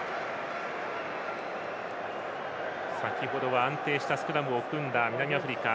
先程は安定したスクラムを組んだ南アフリカ。